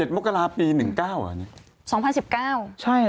๗มกลาปี๑๙อ่ะ